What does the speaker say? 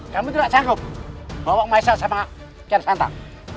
kamu tidak sanggup bawa maisa sama ken santan